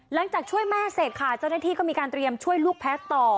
หลังจากช่วยแม่เสร็จค่ะเจ้าหน้าที่ก็มีการเตรียมช่วยลูกแพ้ต่อ